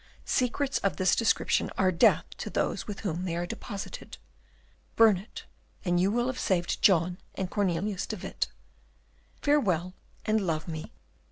Secrets of this description are death to those with whom they are deposited. Burn it, and you will have saved John and Cornelius de Witt. "Farewell, and love me.